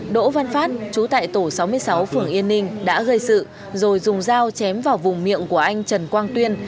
đỗ văn phát trú tại tổ sáu mươi sáu phường yên ninh đã gây sự rồi dùng dao chém vào vùng miệng của anh trần quang tuyên